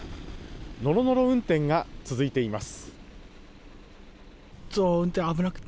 ノロノロ運転が続いています。